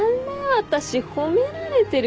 私褒められてる？